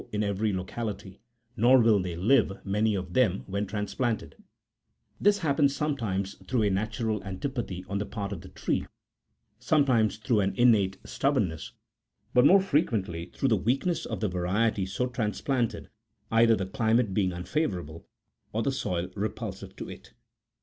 in every locality, nor will they live, many of them,72 when transplanted : this happens sometimes through a natural an tipathy on the part of the tree, sometimes through an innate stubbornness, but more frequently through the weakness of the variety so transplanted, either the climate being unfavour able, or the soil repulsive to it.